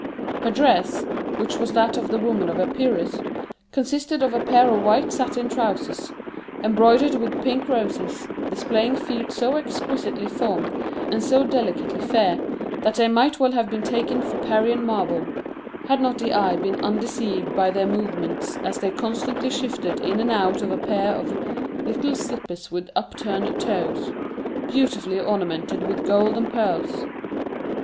Her dress, which was that of the women of Epirus, consisted of a pair of white satin trousers, embroidered with pink roses, displaying feet so exquisitely formed and so delicately fair, that they might well have been taken for Parian marble, had not the eye been undeceived by their movements as they constantly shifted in and out of a pair of little slippers with upturned toes, beautifully ornamented with gold and pearls.